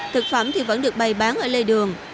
thực phẩm thì vẫn được bày bán ở lê đường